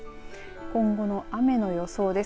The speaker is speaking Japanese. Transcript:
今後の雨の予想です。